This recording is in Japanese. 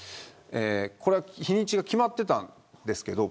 これは、日にちが決まっていたんです